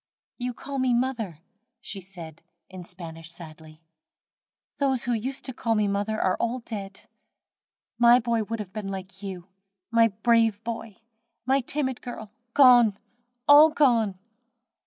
"You call me mother," she said, in Spanish, sadly, "those who used to call me mother are all dead! My boy would have been like you. My brave boy! my timid girl, gone! all gone!"